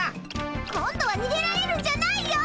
今度はにげられるんじゃないよ！